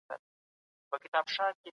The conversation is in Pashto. ټولنيز ځواکونه په سياست کي ډېر فعال دي.